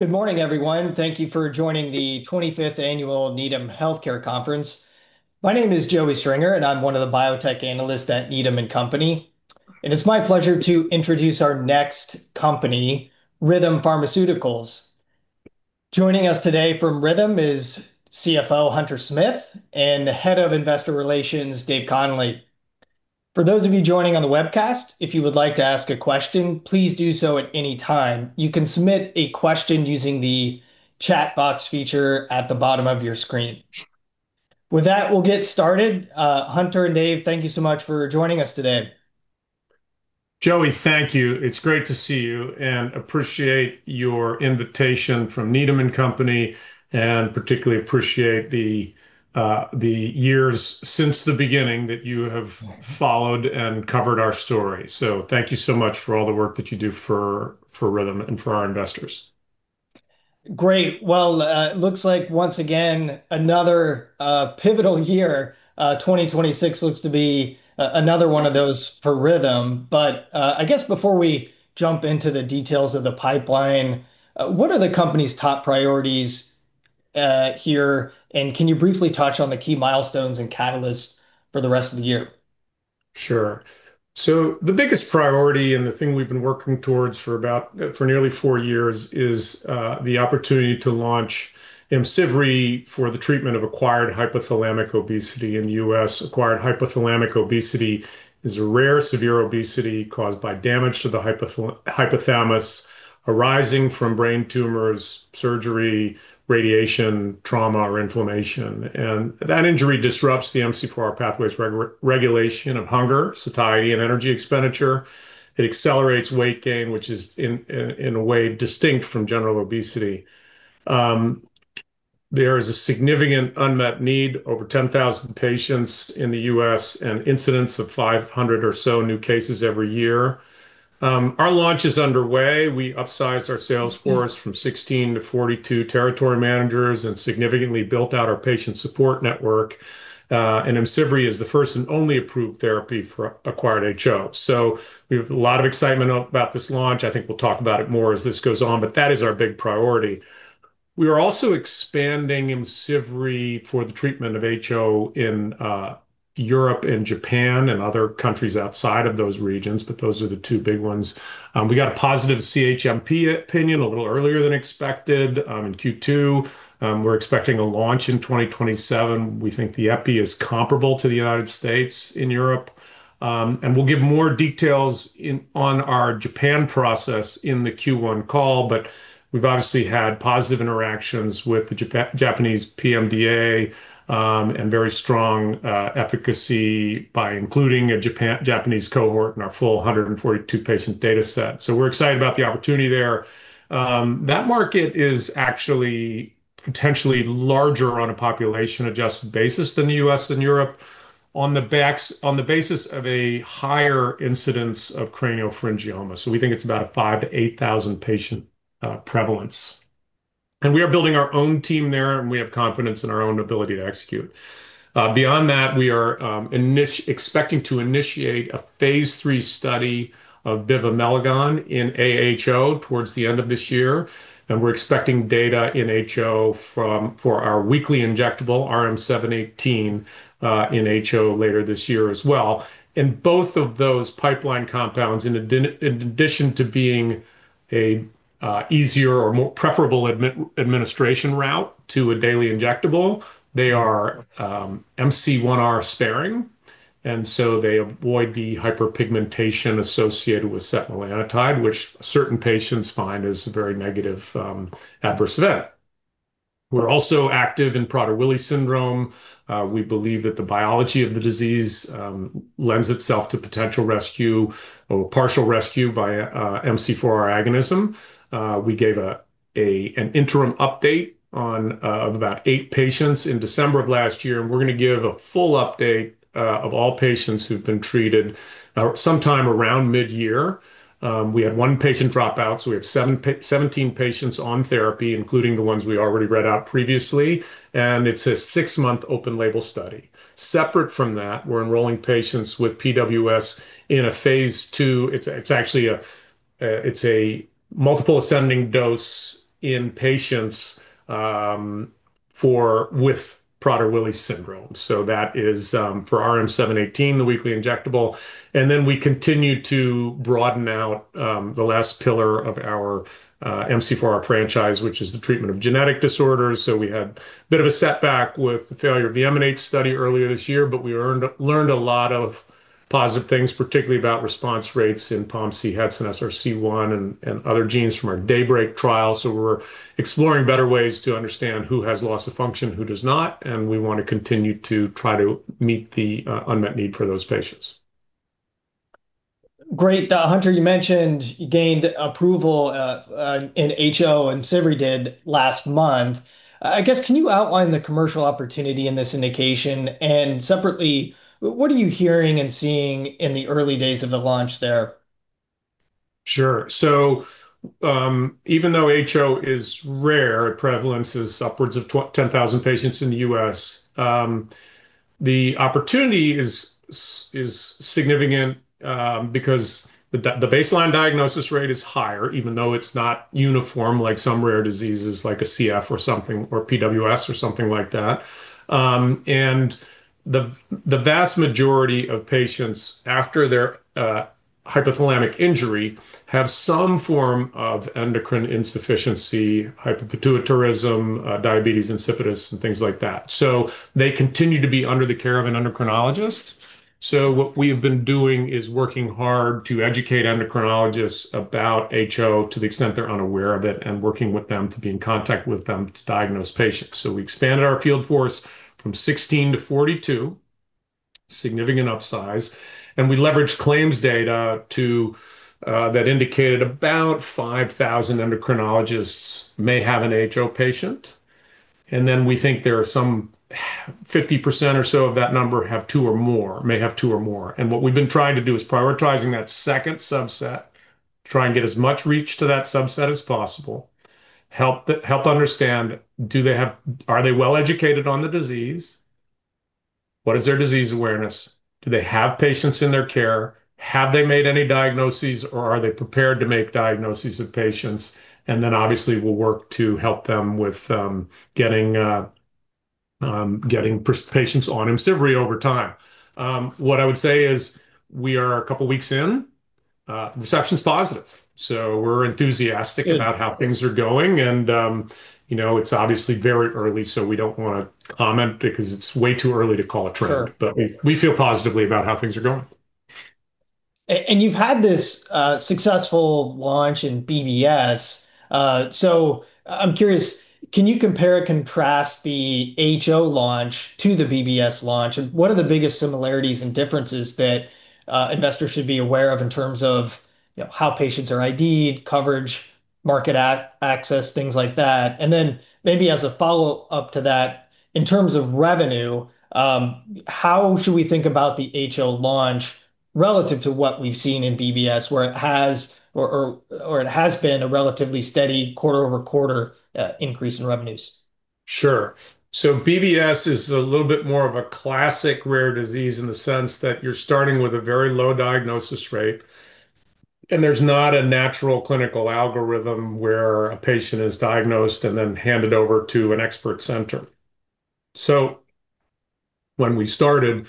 Good morning everyone. Thank you for joining the 25th Annual Needham Healthcare Conference. My name is Joey Stringer, and I'm one of the biotech analysts at Needham & Company. It's my pleasure to introduce our next company, Rhythm Pharmaceuticals. Joining us today from Rhythm is CFO Hunter Smith and Head of Investor Relations Dave Connolly. For those of you joining on the webcast, if you would like to ask a question, please do so at any time. You can submit a question using the chat box feature at the bottom of your screen. With that, we'll get started. Hunter and Dave, thank you so much for joining us today. Joey, thank you. It's great to see you, and appreciate your invitation from Needham & Company, and particularly appreciate the years since the beginning that you have followed and covered our story. Thank you so much for all the work that you do for Rhythm and for our investors. Great. Well, it looks like once again, another pivotal year. 2026 looks to be another one of those for Rhythm. I guess before we jump into the details of the pipeline, what are the company's top priorities here, and can you briefly touch on the key milestones and catalysts for the rest of the year? Sure. The biggest priority, and the thing we've been working towards for nearly four years is the opportunity to launch IMCIVREE for the treatment of acquired hypothalamic obesity in the U.S. Acquired hypothalamic obesity is a rare severe obesity caused by damage to the hypothalamus arising from brain tumors, surgery, radiation, trauma, or inflammation. That injury disrupts the MC4R pathway's regulation of hunger, satiety, and energy expenditure. It accelerates weight gain, which is in a way distinct from general obesity. There is a significant unmet need. Over 10,000 patients in the U.S., an incidence of 500 or so new cases every year. Our launch is underway. We upsized our sales force from 16 to 42 territory managers and significantly built out our patient support network. IMCIVREE is the first and only approved therapy for acquired HO. We have a lot of excitement about this launch. I think we'll talk about it more as this goes on, but that is our big priority. We are also expanding IMCIVREE for the treatment of HO in Europe and Japan and other countries outside of those regions, but those are the two big ones. We got a positive CHMP opinion a little earlier than expected, in Q2. We're expecting a launch in 2027. We think the epi is comparable to the United States in Europe. We'll give more details on our Japan process in the Q1 call, but we've obviously had positive interactions with the Japanese PMDA, and very strong efficacy by including a Japanese cohort in our full 142-patient data set. We're excited about the opportunity there. That market is actually potentially larger on a population-adjusted basis than the U.S. and Europe on the basis of a higher incidence of craniopharyngioma. We think it's about a 5,000-8,000 patient prevalence. We are building our own team there, and we have confidence in our own ability to execute. Beyond that, we are expecting to initiate a phase III study of bivamelagon in AHO towards the end of this year, and we're expecting data in HO for our weekly injectable RM-718 in HO later this year as well. Both of those pipeline compounds, in addition to being an easier or more preferable administration route to a daily injectable, they are MC1R sparing, and so they avoid the hyperpigmentation associated with setmelanotide, which certain patients find is a very negative adverse event. We're also active in Prader-Willi syndrome. We believe that the biology of the disease lends itself to potential rescue or partial rescue by MC4R agonism. We gave an interim update of about 8 patients in December of last year, and we're going to give a full update of all patients who've been treated sometime around mid-year. We had 1 patient drop out, so we have 17 patients on therapy, including the ones we already read out previously, and it's a six-month open label study. Separate from that, we're enrolling patients with PWS in a phase II. It's a multiple ascending dose in patients with Prader-Willi syndrome. That is for RM-718, the weekly injectable. We continue to broaden out the last pillar of our MC4R franchise, which is the treatment of genetic disorders. We had a bit of a setback with the failure of the MASH study earlier this year, but we learned a lot of positive things, particularly about response rates in POMC, Hets, and SRC1, and other genes from our DAYBREAK trial. We're exploring better ways to understand who has loss of function, who does not, and we want to continue to try to meet the unmet need for those patients. Great. Hunter, you mentioned you gained approval in HO, IMCIVREE did, last month. I guess, can you outline the commercial opportunity in this indication? And separately, what are you hearing and seeing in the early days of the launch there? Sure. Even though HO is rare, prevalence is upwards of 10,000 patients in the U.S. The opportunity is significant because the baseline diagnosis rate is higher, even though it's not uniform like some rare diseases like a CF or something, or PWS or something like that. The vast majority of patients, after their hypothalamic injury, have some form of endocrine insufficiency, hypopituitarism, diabetes insipidus, and things like that. They continue to be under the care of an endocrinologist. What we have been doing is working hard to educate endocrinologists about HO to the extent they're unaware of it and working with them to be in contact with them to diagnose patients. We expanded our field force from 16 to 42, significant upsize, and we leveraged claims data that indicated about 5,000 endocrinologists may have an HO patient. We think some 50% or so of that number have two or more, may have two or more. What we've been trying to do is prioritizing that second subset, try and get as much reach to that subset as possible. Help to understand, are they well-educated on the disease? What is their disease awareness? Do they have patients in their care? Have they made any diagnoses, or are they prepared to make diagnoses of patients? And then we'll work to help them with getting patients on IMCIVREE over time. What I would say is we are a couple of weeks in. The reception's positive. We're enthusiastic about how things are going. It's obviously very early, so we don't want to comment because it's way too early to call a trend. Sure. We feel positively about how things are going. You've had this successful launch in BBS. I'm curious, can you compare and contrast the HO launch to the BBS launch, and what are the biggest similarities and differences that investors should be aware of in terms of how patients are ID'd, coverage, market access, things like that, and then maybe as a follow-up to that, in terms of revenue, how should we think about the HO launch relative to what we've seen in BBS, where it has been a relatively steady quarter-over-quarter increase in revenues? Sure. BBS is a little bit more of a classic rare disease in the sense that you're starting with a very low diagnosis rate, and there's not a natural clinical algorithm where a patient is diagnosed and then handed over to an expert center. When we started,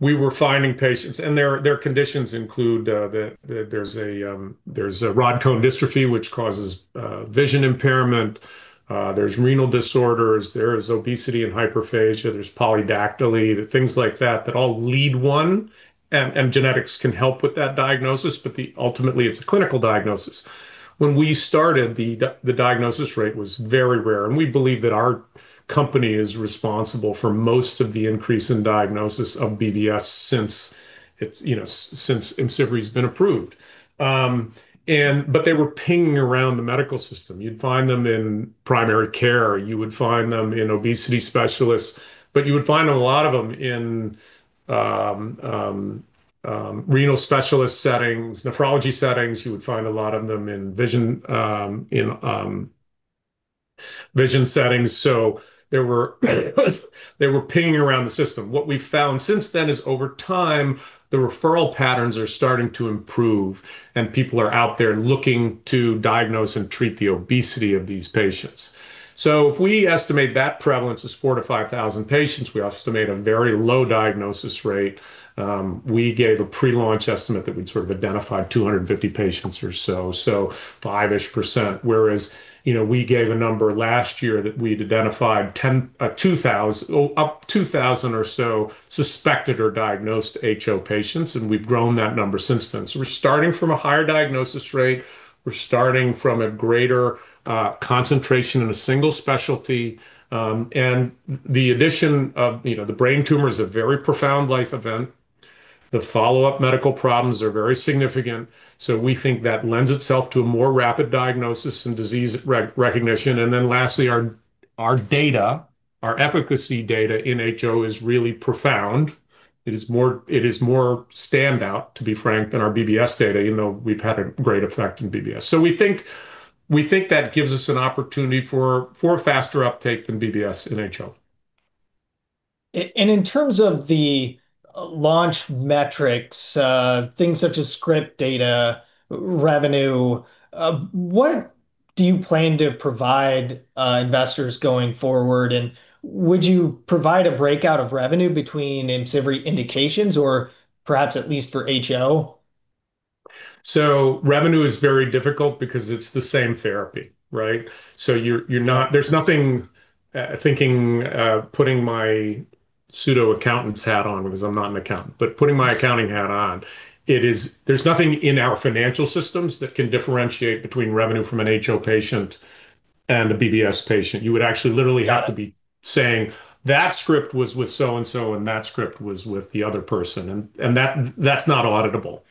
we were finding patients, and their conditions include rod-cone dystrophy, which causes vision impairment. There's renal disorders. There is obesity and hyperphagia. There's polydactyly, things like that all lead one, and genetics can help with that diagnosis, but ultimately it's a clinical diagnosis. When we started, the diagnosis rate was very rare, and we believe that our company is responsible for most of the increase in diagnosis of BBS since IMCIVREE's been approved, and they were pinging around the medical system. You'd find them in primary care, you would find them in obesity specialists, but you would find a lot of them in renal specialist settings, nephrology settings. You would find a lot of them in vision settings. They were pinging around the system. What we've found since then is over time, the referral patterns are starting to improve, and people are out there looking to diagnose and treat the obesity of these patients. If we estimate that prevalence as 4,000-5,000 patients, we estimate a very low diagnosis rate. We gave a pre-launch estimate that we'd sort of identified 250 patients or so 5%-ish. Whereas, we gave a number last year that we'd identified up 2,000 or so suspected or diagnosed HO patients, and we've grown that number since then. We're starting from a higher diagnosis rate. We're starting from a greater concentration in a single specialty. The addition of the brain tumor is a very profound life event. The follow-up medical problems are very significant. We think that lends itself to a more rapid diagnosis and disease recognition. Then lastly, our data, our efficacy data in HO is really profound. It is more standout, to be frank, than our BBS data, even though we've had a great effect in BBS. We think that gives us an opportunity for a faster uptake than BBS in HO. In terms of the launch metrics, things such as script data, revenue, what do you plan to provide investors going forward? Would you provide a breakout of revenue between IMCIVREE indications or perhaps at least for HO? Revenue is very difficult because it's the same therapy, right? There's nothing, putting my pseudo accountant's hat on because I'm not an accountant, but putting my accounting hat on, there's nothing in our financial systems that can differentiate between revenue from an HO patient and a BBS patient. You would actually literally have to be saying, "That script was with so and so, and that script was with the other person." And that's not auditable.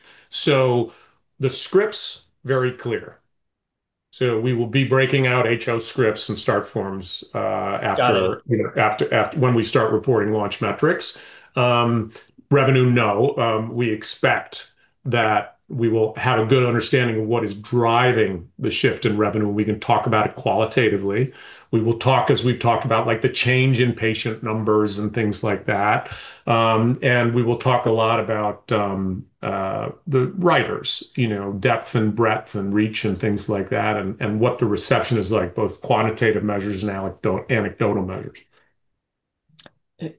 The scripts, very clear. We will be breaking out HO scripts and start forms- Got it. When we start reporting launch metrics. Revenue, no. We expect that we will have a good understanding of what is driving the shift in revenue, and we can talk about it qualitatively. We will talk as we've talked about the change in patient numbers and things like that. We will talk a lot about the writers, depth and breadth and reach and things like that, and what the reception is like, both quantitative measures and anecdotal measures.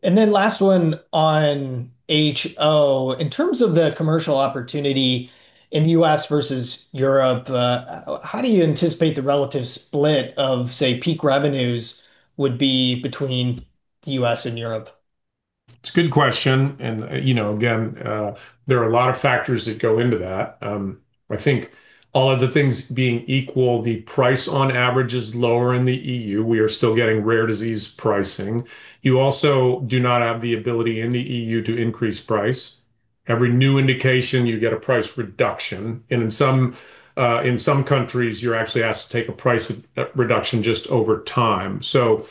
Last one on HO. In terms of the commercial opportunity in U.S. versus Europe, how do you anticipate the relative split of, say, peak revenues would be between the U.S. and Europe? It's a good question, and again, there are a lot of factors that go into that. I think all other things being equal, the price on average is lower in the E.U. We are still getting rare disease pricing. You also do not have the ability in the E.U. to increase price. Every new indication, you get a price reduction, and in some countries, you're actually asked to take a price reduction just over time. So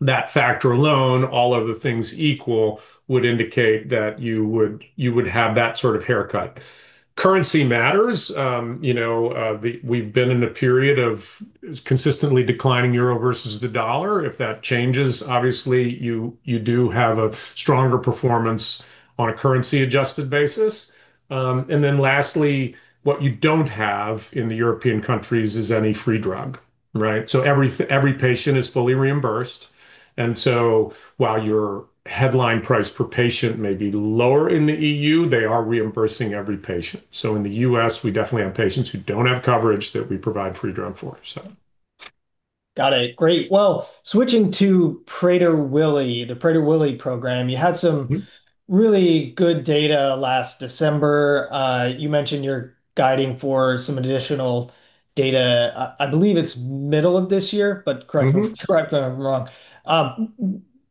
that factor alone, all other things equal, would indicate that you would have that sort of haircut. Currency matters. We've been in the period of consistently declining euro versus the dollar. If that changes, obviously, you do have a stronger performance on a currency-adjusted basis. Lastly, what you don't have in the European countries is any free drug. Right? Every patient is fully reimbursed, and so while your headline price per patient may be lower in the EU, they are reimbursing every patient. In the U.S., we definitely have patients who don't have coverage that we provide free drug for, so. Got it. Great. Well, switching to Prader-Willi, the Prader-Willi program, you had some- Mm-hmm Really good data last December. You mentioned you're guiding for some additional data. I believe it's middle of this year, but Mm-hmm... Correct me if I'm wrong.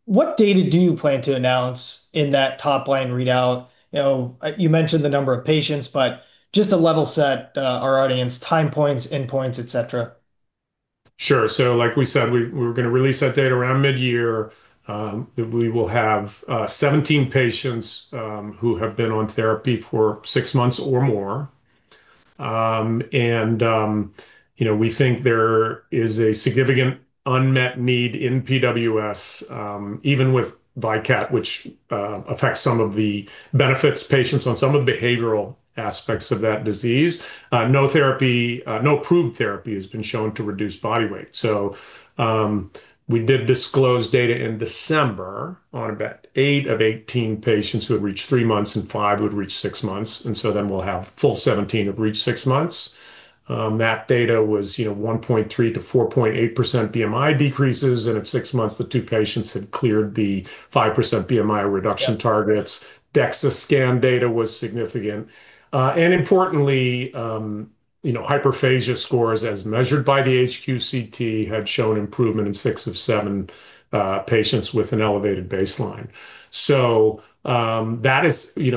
What data do you plan to announce in that top-line readout? You mentioned the number of patients, but just to level set our audience, time points, endpoints, et cetera. Sure. Like we said, we're going to release that data around mid-year. We will have 17 patients who have been on therapy for six months or more. We think there is a significant unmet need in PWS, even with Vykat, which affects some of the benefits patients on some of the behavioral aspects of that disease. No approved therapy has been shown to reduce body weight. We did disclose data in December on about eight of 18 patients who had reached three months, and five who had reached six months. We'll have 17 have reached six months. That data was 1.3%-4.8% BMI decreases, and at six months, the two patients had cleared the 5% BMI reduction targets. Yep. DEXA scan data was significant. Importantly, hyperphagia scores as measured by the HQ-CT had shown improvement in six of seven patients with an elevated baseline.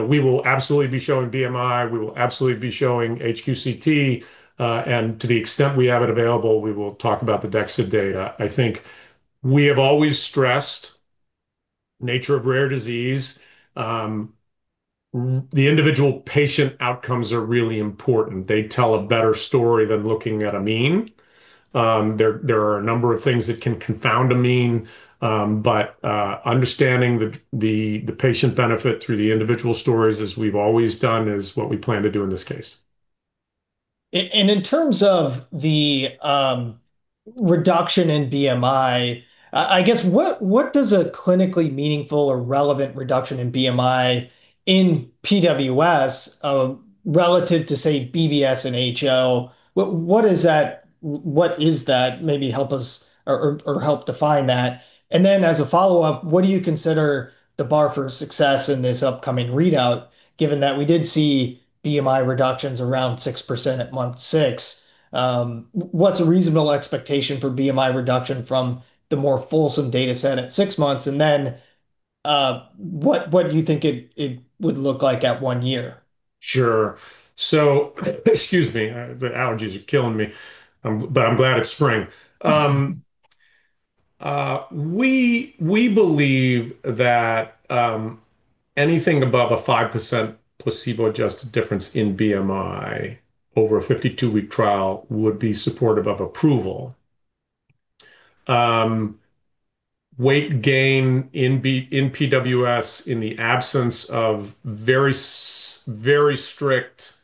We will absolutely be showing BMI, we will absolutely be showing HQ-CT, and to the extent we have it available, we will talk about the DEXA data. I think we have always stressed the nature of rare disease. The individual patient outcomes are really important. They tell a better story than looking at a mean. There are a number of things that can confound a mean, but understanding the patient benefit through the individual stories, as we've always done, is what we plan to do in this case. In terms of the reduction in BMI, I guess, what does a clinically meaningful or relevant reduction in BMI in PWS, relative to say, BBS and HO, what is that? Maybe help us or help define that. Then as a follow-up, what do you consider the bar for success in this upcoming readout, given that we did see BMI reductions around 6% at month six. What's a reasonable expectation for BMI reduction from the more fulsome data set at six months? Then, what do you think it would look like at one year? Sure. Excuse me. The allergies are killing me, but I'm glad it's spring. We believe that anything above a 5% placebo-adjusted difference in BMI over a 52-week trial would be supportive of approval. Weight gain in PWS in the absence of very strict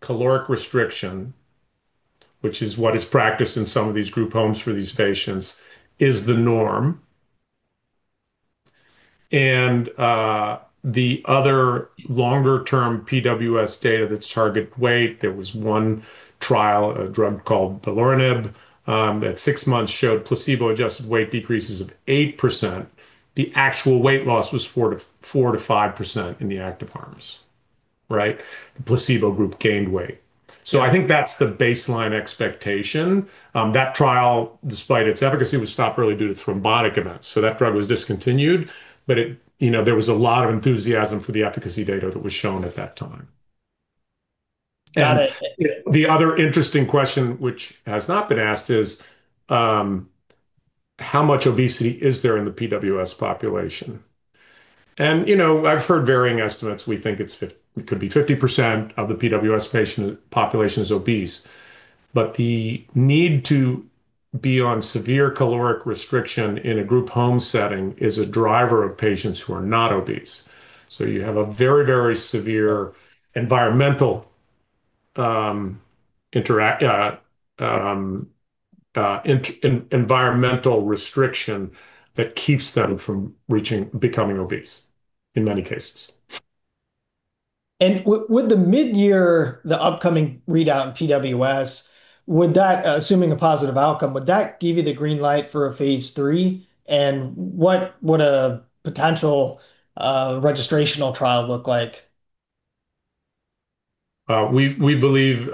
caloric restriction, which is what is practiced in some of these group homes for these patients, is the norm. The other longer-term PWS data that's target weight, there was one trial, a drug called beloranib at six months showed placebo-adjusted weight decreases of 8%. The actual weight loss was 4%-5% in the active arms. Right? The placebo group gained weight. I think that's the baseline expectation. That trial, despite its efficacy, was stopped early due to thrombotic events. That drug was discontinued, but there was a lot of enthusiasm for the efficacy data that was shown at that time. Got it. The other interesting question which has not been asked is, how much obesity is there in the PWS population? I've heard varying estimates. We think it could be 50% of the PWS patient population is obese, but the need to be on severe caloric restriction in a group home setting is a driver of patients who are not obese. You have a very, very severe environmental restriction that keeps them from becoming obese in many cases. Would the mid-year, the upcoming readout in PWS, assuming a positive outcome, would that give you the green light for a phase III? What would a potential registrational trial look like? We believe,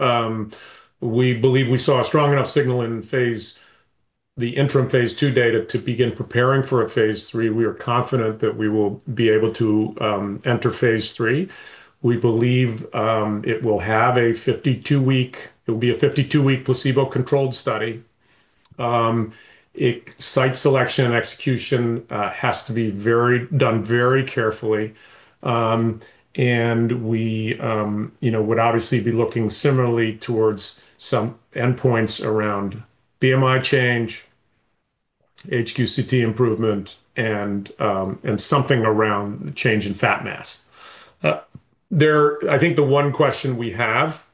we believe we saw a strong enough signal in the interim phase II data to begin preparing for a phase III. We are confident that we will be able to enter phase III. We believe it will be a 52-week placebo-controlled study. Site selection and execution has to be done very carefully. We would obviously be looking similarly towards some endpoints around BMI change, HQ-CT improvement, and something around change in fat mass. I think the one question we have,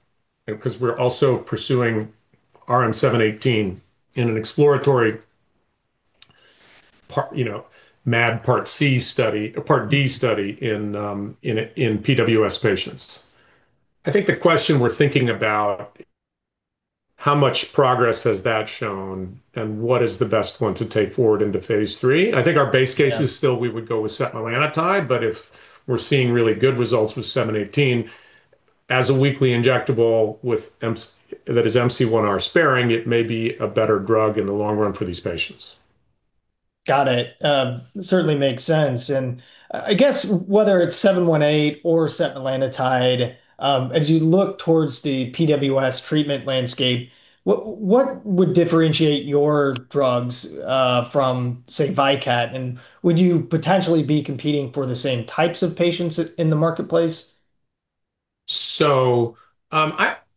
because we're also pursuing RM-718 in an exploratory MAD Part D study in PWS patients. I think the question we're thinking about, how much progress has that shown, and what is the best one to take forward into phase III? I think our base case. Yeah Is still we would go with setmelanotide, but if we're seeing really good results with 718 as a weekly injectable that is MC1R sparing, it may be a better drug in the long run for these patients. Got it. Certainly makes sense. I guess whether it's 718 or setmelanotide, as you look towards the PWS treatment landscape, what would differentiate your drugs from, say, Vykat? Would you potentially be competing for the same types of patients in the marketplace?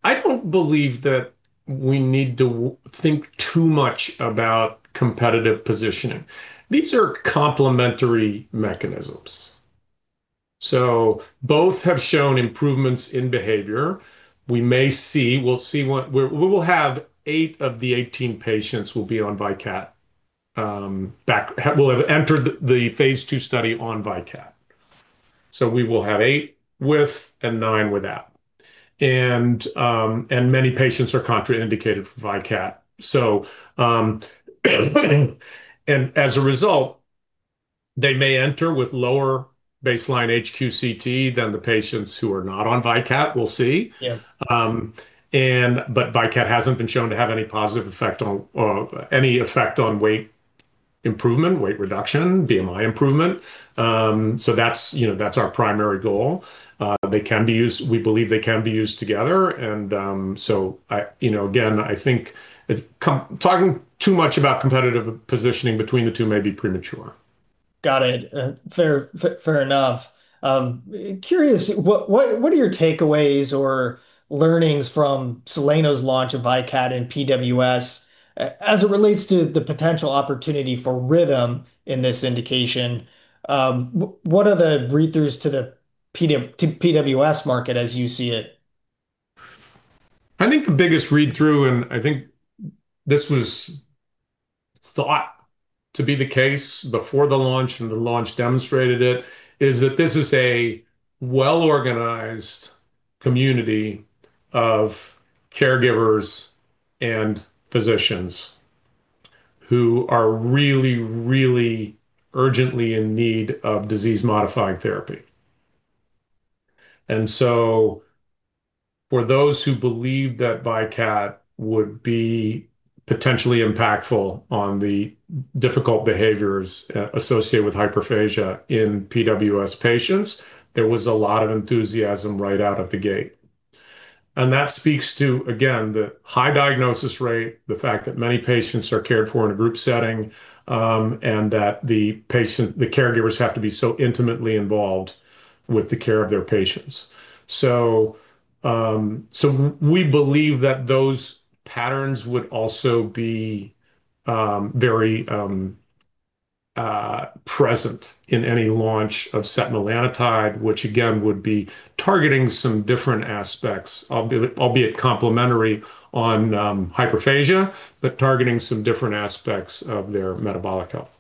I don't believe that we need to think too much about competitive positioning. These are complementary mechanisms. Both have shown improvements in behavior. We will have eight of the 18 patients entered the phase II study on Vykat. We will have eight with and nine without. Many patients are contraindicated for Vykat. As a result, they may enter with lower baseline HQ-CT than the patients who are not on Vykat. We'll see. Yeah. Vykat hasn't been shown to have any effect on weight improvement, weight reduction, BMI improvement. That's our primary goal. We believe they can be used together, and so, again, I think talking too much about competitive positioning between the two may be premature. Got it. Fair enough. Curious, what are your takeaways or learnings from Soleno's launch of Vykat and PWS as it relates to the potential opportunity for Rhythm in this indication? What are the read-throughs to PWS market as you see it? I think the biggest read-through, and I think this was thought to be the case before the launch, and the launch demonstrated it, is that this is a well-organized community of caregivers and physicians who are really, really urgently in need of disease-modifying therapy. For those who believed that Vykat would be potentially impactful on the difficult behaviors associated with hyperphagia in PWS patients, there was a lot of enthusiasm right out of the gate. That speaks to, again, the high diagnosis rate, the fact that many patients are cared for in a group setting, and that the caregivers have to be so intimately involved with the care of their patients. We believe that those patterns would also be very present in any launch of setmelanotide, which again, would be targeting some different aspects, albeit complementary on hyperphagia, but targeting some different aspects of their metabolic health.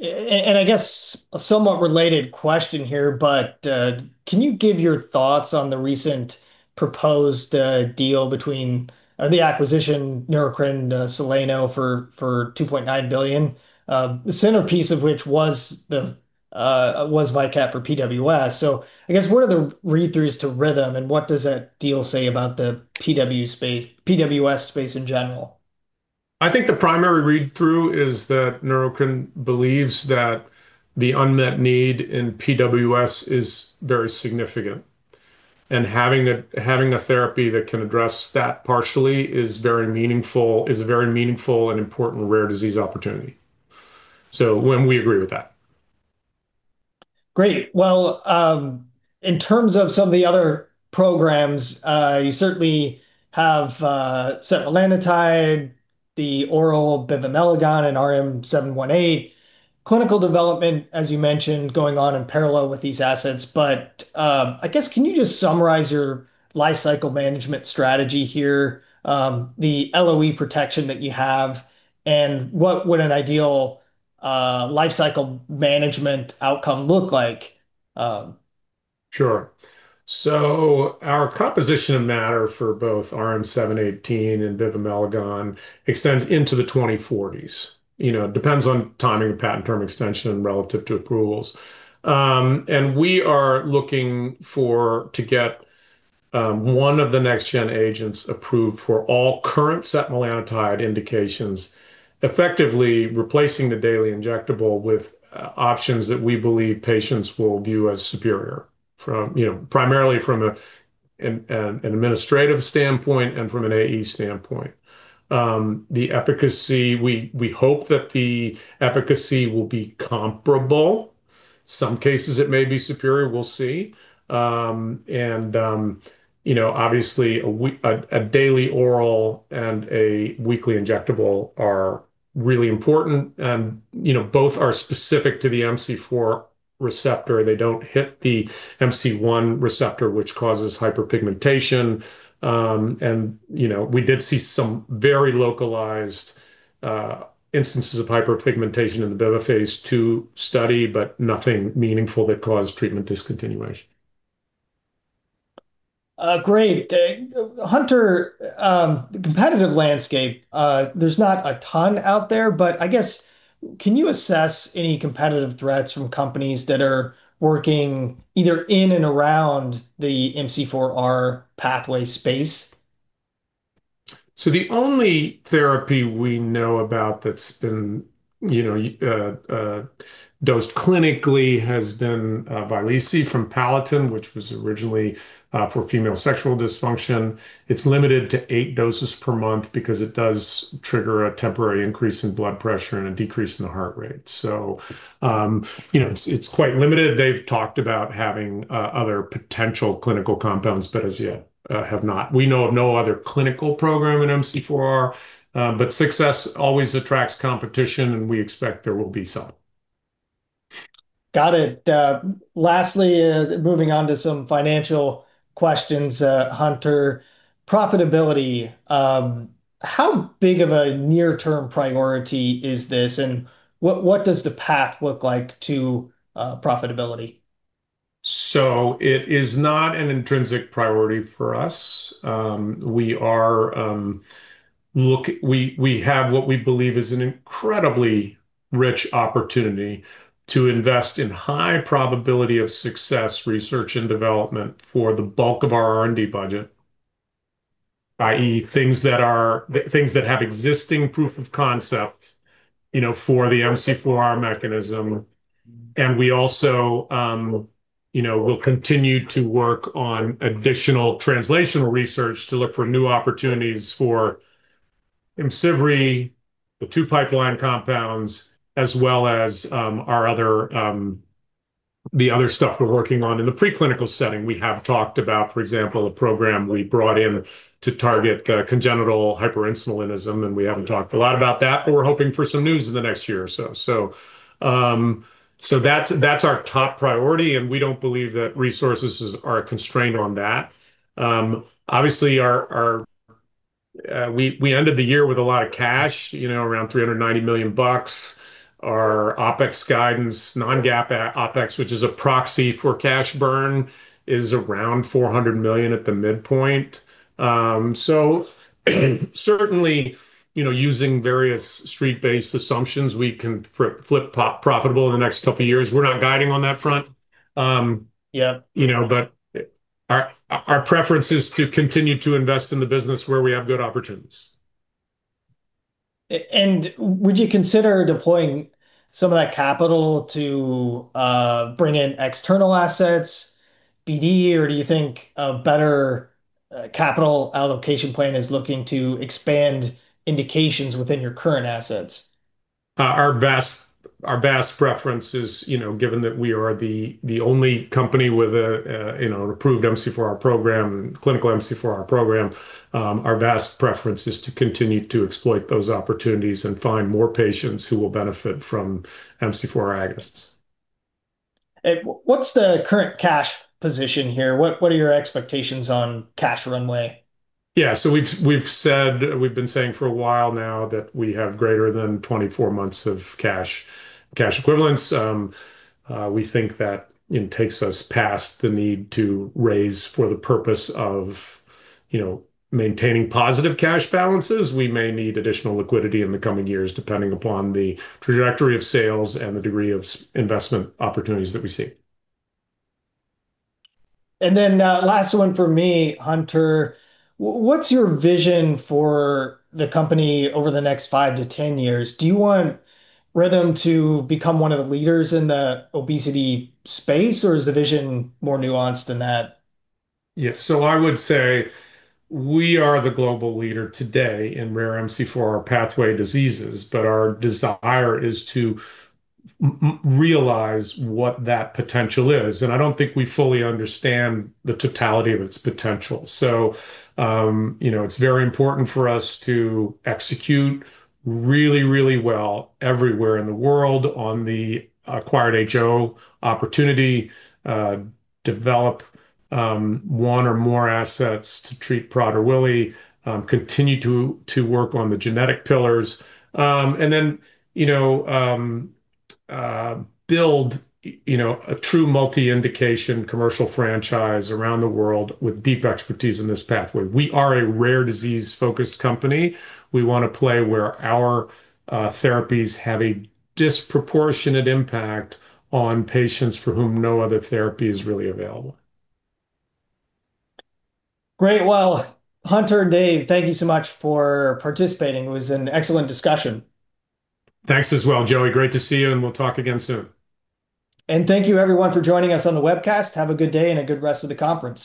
I guess a somewhat related question here, but can you give your thoughts on the recent proposed deal between Neurocrine and Soleno for $2.9 billion, the centerpiece of which was DCCR for PWS. I guess what are the read-throughs to Rhythm, and what does that deal say about the PWS space in general? I think the primary read-through is that Neurocrine believes that the unmet need in PWS is very significant, and having a therapy that can address that partially is a very meaningful and important rare disease opportunity. We agree with that. Great. Well, in terms of some of the other programs, you certainly have setmelanotide, the oral bivamelagon, and RM-718 clinical development, as you mentioned, going on in parallel with these assets. I guess, can you just summarize your lifecycle management strategy here, the LOE protection that you have, and what would an ideal lifecycle management outcome look like? Sure. Our composition of matter for both RM-718 and bivamelagon extends into the 2040s. It depends on timing of patent term extension relative to approvals. We are looking to get one of the next-gen agents approved for all current setmelanotide indications, effectively replacing the daily injectable with options that we believe patients will view as superior, primarily from an administrative standpoint and from an AE standpoint. The efficacy, we hope that the efficacy will be comparable. Some cases, it may be superior. We'll see. Obviously, a daily oral and a weekly injectable are really important. Both are specific to the MC4 receptor. They don't hit the MC1 receptor, which causes hyperpigmentation. We did see some very localized instances of hyperpigmentation in the bivamelagon phase II study, but nothing meaningful that caused treatment discontinuation. Great. Hunter, the competitive landscape, there's not a ton out there, but I guess, can you assess any competitive threats from companies that are working either in and around the MC4R pathway space? The only therapy we know about that's been, you know, dosed clinically has been Vyleesi from Palatin, which was originally for female sexual dysfunction. It's limited to eight doses per month because it does trigger a temporary increase in blood pressure and a decrease in the heart rate. It's quite limited. They've talked about having other potential clinical compounds, but as yet have not. We know of no other clinical program in MC4R, but success always attracts competition, and we expect there will be some. Got it. Lastly, moving on to some financial questions, Hunter. Profitability. How big of a near-term priority is this, and what does the path look like to profitability? It is not an intrinsic priority for us. We have what we believe is an incredibly rich opportunity to invest in high probability of success research and development for the bulk of our R&D budget, i.e., things that have existing proof of concept for the MC4R mechanism. We also will continue to work on additional translational research to look for new opportunities for IMCIVREE, the two pipeline compounds, as well as the other stuff we're working on in the preclinical setting. We have talked about, for example, a program we brought in to target congenital hyperinsulinism, and we haven't talked a lot about that, but we're hoping for some news in the next year or so. That's our top priority, and we don't believe that resources are a constraint on that. Obviously, we ended the year with a lot of cash, around $390 million. Our OPEX guidance, non-GAAP OPEX, which is a proxy for cash burn, is around $400 million at the midpoint. Certainly, using various street-based assumptions, we can flip profitable in the next couple of years. We're not guiding on that front. Yeah. You know, but our preference is to continue to invest in the business where we have good opportunities. Would you consider deploying some of that capital to bring in external assets, BD, or do you think a better capital allocation plan is looking to expand indications within your current assets? Our vast preference is, you know, given that we are the only company with an approved MC4R program, clinical MC4R program, to continue to exploit those opportunities and find more patients who will benefit from MC4R agonists. What's the current cash position here? What are your expectations on cash runway? Yeah. We've been saying for a while now that we have greater than 24 months of cash equivalents. We think that it takes us past the need to raise for the purpose of maintaining positive cash balances. We may need additional liquidity in the coming years, depending upon the trajectory of sales and the degree of investment opportunities that we see. Last one from me, Hunter. What's your vision for the company over the next five-10 years? Do you want Rhythm to become one of the leaders in the obesity space, or is the vision more nuanced than that? Yeah. I would say we are the global leader today in rare MC4R pathway diseases, but our desire is to realize what that potential is, and I don't think we fully understand the totality of its potential. It's very important for us to execute really, really well everywhere in the world on the acquired HO opportunity, develop one or more assets to treat Prader-Willi, continue to work on the genetic pillars, and then build a true multi-indication commercial franchise around the world with deep expertise in this pathway. We are a rare disease-focused company. We want to play where our therapies have a disproportionate impact on patients for whom no other therapy is really available. Great. Well, Hunter and Dave, thank you so much for participating. It was an excellent discussion. Thanks as well Joey. Great to see you, and we'll talk again soon. Thank you everyone for joining us on the webcast. Have a good day and a good rest of the conference.